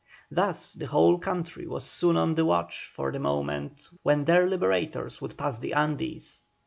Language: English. Thus the whole country was soon on the watch for the moment when their liberators would pass the Andes.